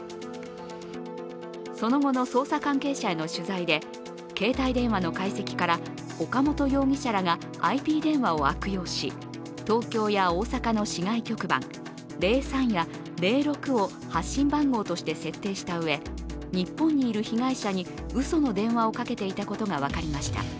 その後の捜査関係者への取材で、携帯電話の解析から岡本容疑者らがＩＰ電話を悪用し東京や大阪の市外局番、０３や０６を発信番号として設定したうえ、日本にいる被害者にうその電話をかけていたことが分かりました。